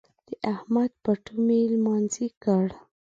د احمد پټو مې لمانځي کړ.